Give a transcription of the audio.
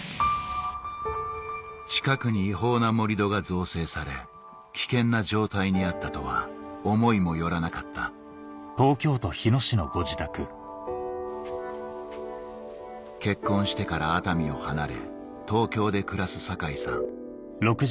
近くに違法な盛り土が造成され危険な状態にあったとは思いも寄らなかった結婚してから熱海を離れ東京で暮らす酒井さん